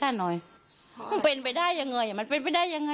มันเป็นไปไม่ได้น่ะมันเป็นไปไม่ได้นี่